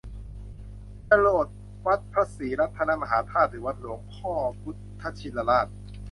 จรดวัดพระศรีรัตนมหาธาตุหรือวัดหลวงพ่อพุทธชินราช